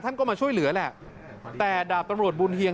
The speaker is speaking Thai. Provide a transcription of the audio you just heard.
ท่านก็มาช่วยเหลือแหละแต่ดาบตำรวจบุญเฮียง